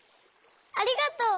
ありがとう！